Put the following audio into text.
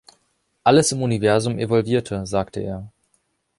„Alles im Universum evolvierte“, sagte er.